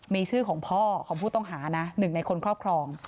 มีชื่อของพ่อของผู้ต้องหานะหนึ่งในคนครอบครอง